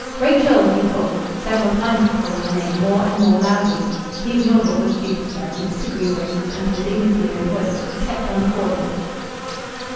"Rachel!" he called. Several times he called her name, more and more loudly. He ignored what was due to servants, to greengrocers, and to the dignity of employers. He kept on calling.